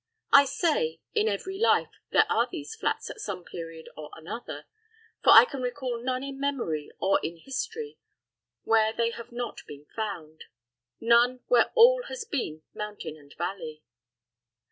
I say, in every life there are these flats at some period or another; for I can recall none in memory or in history, where they have not been found none where all has been mountain and valley.